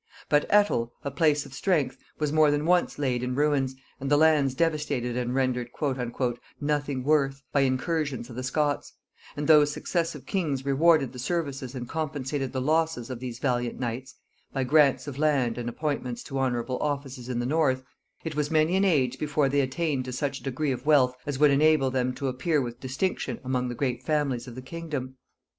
But Ettal, a place of strength, was more than once laid in ruins, and the lands devastated and rendered "nothing worth," by incursions of the Scots; and though successive kings rewarded the services and compensated the losses of these valiant knights, by grants of land and appointments to honorable offices in the north, it was many an age before they attained to such a degree of wealth as would enable them to appear with distinction amongst the great families of the kingdom.